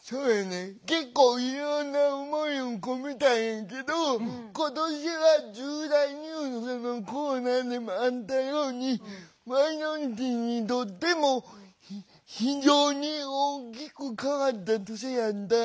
結構いろんな思いを込めたんやけど今年は「重大ニュース」のコーナーでもあったようにマイノリティーにとっても非常に大きく変わった年やった。